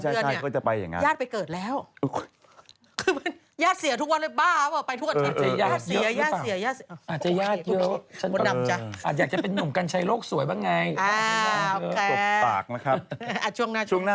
บ่อย่าบอกอาทิตย์ที่แล้วมันบอกว่าญาติเสียฉันก็รู้ว่าจะเล็กเก่า